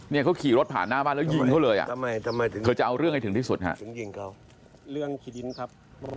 นี่เขาขี่รถผ่านหน้าบ้านแล้วยิงเขาเลยเธอจะเอาเรื่องไอ้ถึงที่สุดครับ